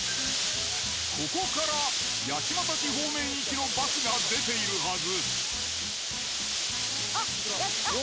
ここから八街市方面行きのバスが出ているはず。